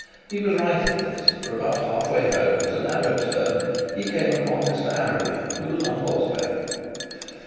He was right in this, for about halfway home, at a narrow turn, he came upon Mr Arabin, who was on horseback.